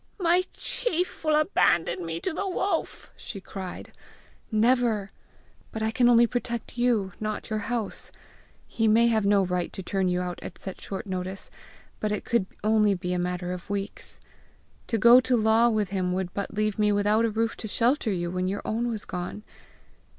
"My chief will abandon me to the wolf!" she cried. "Never! But I can only protect you, not your house. He may have no right to turn you out at such short notice; but it could only be a matter of weeks. To go to law with him would but leave me without a roof to shelter you when your own was gone!"